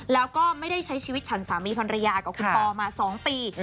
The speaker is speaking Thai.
แล้วก็ไม่ได้ใช้ชีวิตฉันสามีภรรยากับคุณปอมา๒ปี